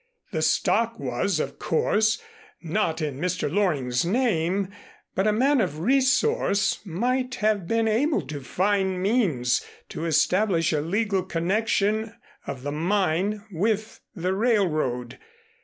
The stock was, of course, not in Mr. Loring's name, but a man of resource might have been able to find means to establish a legal connection of the mine with the railroad.